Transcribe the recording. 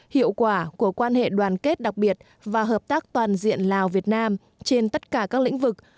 hiệu quả của quan hệ đoàn kết đặc biệt và hợp tác toàn diện lào việt nam trên tất cả các lĩnh vực